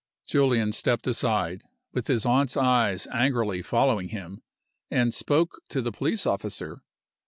Julian stepped aside (with his aunt's eyes angrily following him) and spoke to the police officer.